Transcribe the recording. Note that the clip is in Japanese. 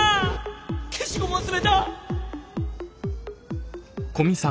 消しゴム忘れた。